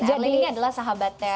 erlin ini adalah sahabatnya